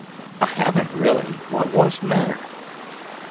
"I haven't, really. What was the matter?"